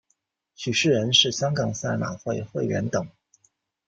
许仕仁是香港赛马会会员等。